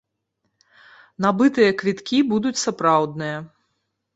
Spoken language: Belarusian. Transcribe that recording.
Набытыя квіткі будуць сапраўдныя.